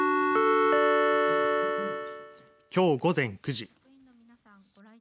きょう午前９時。